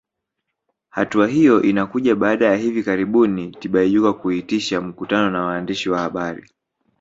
Hatua hiyo inakuja baada ya hivi karibuni Tibaijuka kuitisha mkutano na waandishi wa habari